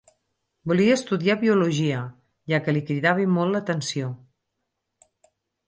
Volia estudiar Biologia, ja que li cridava molt l'atenció.